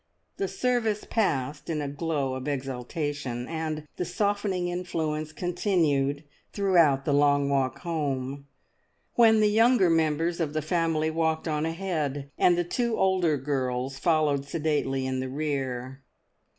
The service passed in a glow of exaltation, and the softening influence continued throughout the long walk home, when the younger members of the family walked on ahead, and the two older girls followed sedately in the rear.